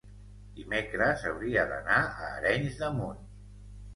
dimecres hauria d'anar a Arenys de Munt.